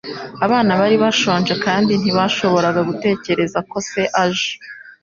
Abana bari bashonje kandi ntibashobora gutegereza ko se aje.